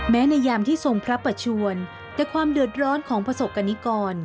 ในยามที่ทรงพระประชวนแต่ความเดือดร้อนของประสบกรณิกร